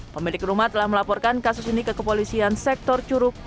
pemilik rumah telah melaporkan kasus ini ke kepolisian sektor curug